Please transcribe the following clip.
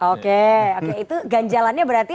oke oke itu ganjalannya berarti